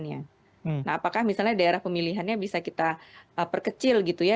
nah apakah misalnya daerah pemilihannya bisa kita perkecil gitu ya